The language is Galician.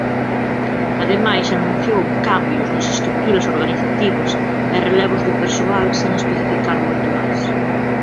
Ademais, anunciou "cambios" nas estruturas organizativas e relevos de persoal, sen especificar moito máis.